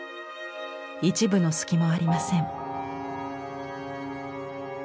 一分の隙もありません。